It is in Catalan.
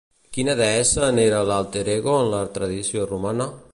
Quina deessa n'era l'alter ego en la tradició romana?